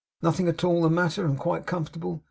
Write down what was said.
Nothing at all the matter, and quite comfortable?